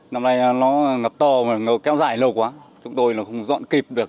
năm nay nó ngập to và kéo dài lâu quá chúng tôi không dọn kịp được